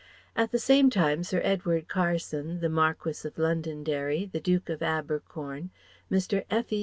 At the same time Sir Edward Carson, the Marquis of Londonderry, the Duke of Abercorn, Mr. F.